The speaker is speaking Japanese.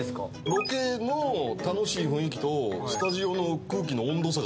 ロケの楽しい雰囲気とスタジオの空気。